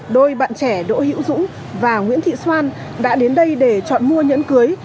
đôi bạn trẻ đỗ hữu dũng và nguyễn thị xoan đã đến đây để chọn mua nhẫn cưới